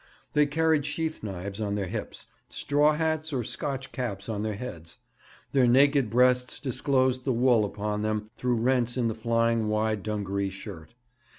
They carried sheath knives on their hips, straw hats or Scotch caps on their heads; their naked breasts disclosed the wool upon them through rents in the flying wide dungaree shirt.